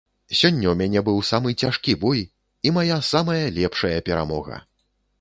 Сёння ў мяне быў самы цяжкі бой і мая самая лепшая перамога!